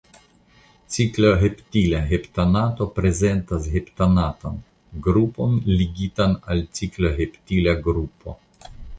Cikloheptila heptanato prezentas heptanatan grupon ligitan al cikloheptila grupo.